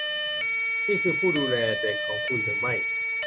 นี่คือผู้ดูแลเด็กของคุณหรือไม่ ?